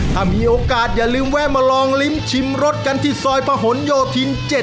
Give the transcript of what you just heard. ถ้ามีโอกาสอย่าลืมแวะมาลองลิ้มชิมรสกันที่ซอยพะหนโยธิน๗